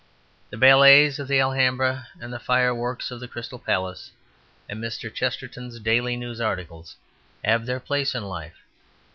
The ballets of the Alhambra, and the fireworks of the Crystal Palace, and Mr. Chesterton's Daily News articles, have their place in life.